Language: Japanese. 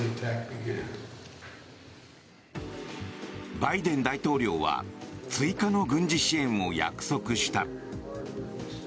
バイデン大統領は追加の軍事支援を約束した。